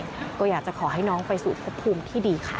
ก็อยากจะขอให้น้องไปสู่พบภูมิที่ดีค่ะ